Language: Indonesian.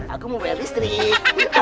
aku mau bayar listrik